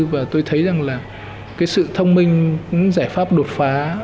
và tôi thấy rằng là cái sự thông minh giải pháp đột phá